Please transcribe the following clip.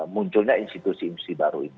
munculnya institusi institusi baru ini